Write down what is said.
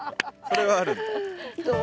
それはあるんだ。